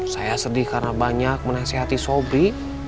saya sedih karena banyak menasehati sobri